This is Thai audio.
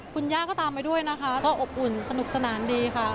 คุณย่าก็ตามไปด้วยนะคะก็อบอุ่นสนุกสนานดีค่ะ